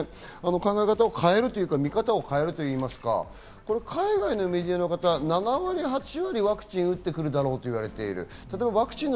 考え方を変えるというか見方を変えるといいますか、海外のメディアの方、７８割ワクチンを打ってくるだろうといわれている。